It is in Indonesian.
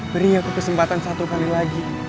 beri aku kesempatan satu kali lagi